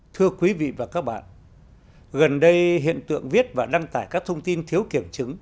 thưa quý vị và các bạn gần đây hiện tượng viết và đăng tải các thông tin thiếu kiểm chứng